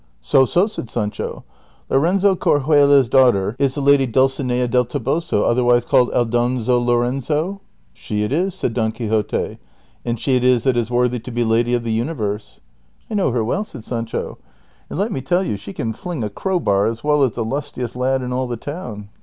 " So, so !" said Sancho ;" Lorenzo Corchuelo's daughter is 198 DON QUIXOTE. tlie lady Diilcinea del Toboso, otlierAvise calletl Aldonza Lorenzo ?"" She it is," said Don Quixote, " and she it is that is worthy to be lady of the universe." " I know her well," said Sancho, '• and let me tell yon she can fling a crowbar as well as the lustiest lad in all the town.